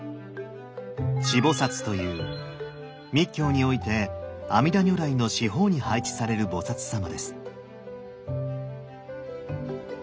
四菩という密教において阿弥陀如来の四方に配置される菩様です。